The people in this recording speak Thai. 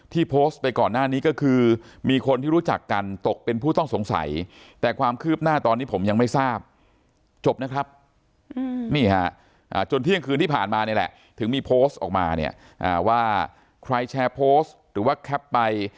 ถึงมีโพสต์ออกมาเนี่ยว่าใครแชร์โพสต์หรือว่าแคปไป